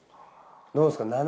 どうですか？